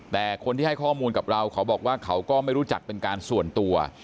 แต่คนที่ให้ข้อมูลกับเราเขาบอกว่าเขาก็ไม่รู้จักเป็นการส่วนตัว